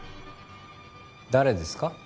誰ですか？